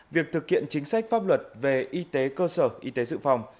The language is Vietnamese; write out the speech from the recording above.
việc thực hiện chính sách pháp luật về y tế cơ sở y tế dự phòng